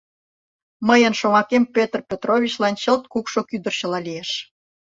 Мыйын шомакем Пётр Петровичлан чылт кукшо кӱдырчыла лиеш.